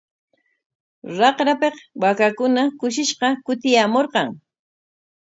Raqrapik waakakuna kushishqa kutiyaamurqan.